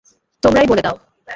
তোমরাই বলে দাও।